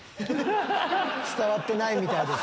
伝わってないみたいです。